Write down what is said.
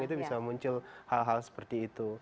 itu bisa muncul hal hal seperti itu